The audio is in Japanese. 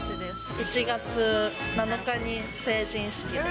１月７日に成人式です。